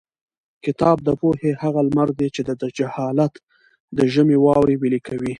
کتاب د پوهې هغه لمر دی چې د جهالت د ژمي واورې ویلي کوي.